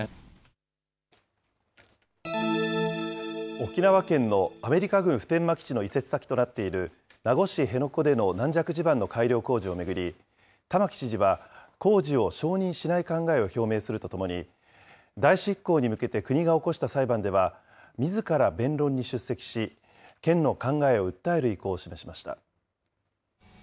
沖縄県のアメリカ軍普天間基地の移設先となっている名護市辺野古での軟弱地盤の改良工事を巡り、玉城知事は、工事を承認しない考えを表明するとともに、代執行に向けて国が起こした裁判では、みずから弁論に出席し、県の考えを訴える意向を示しました。